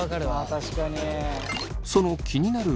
確かに。